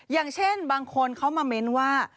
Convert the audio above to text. อย่างเช่นบางคนเขามาเม้นว่า